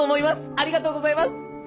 ありがとうございます！